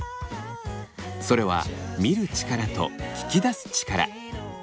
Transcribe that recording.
それは見る力と聞き出す力。